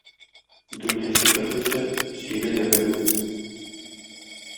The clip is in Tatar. дүртенче төрлесе — сөйлә дә белмә.